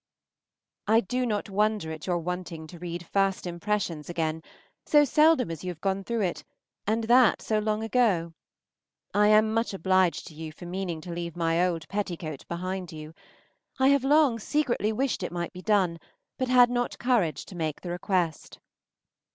I do not wonder at your wanting to read "First Impressions" again, so seldom as you have gone through it, and that so long ago. I am much obliged to you for meaning to leave my old petticoat behind you. I have long secretly wished it might be done, but had not courage to make the request.